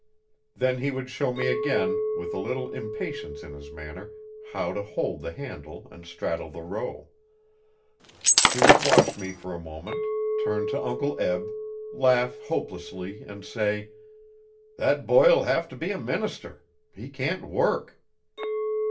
Then he would show me again, with a little impatience in his manner, how to hold the handle and straddle the row. He would watch me for a moment, turn to Uncle Eb, laugh hopelessly and say: 'Thet boy'll hev to be a minister. He can't work.'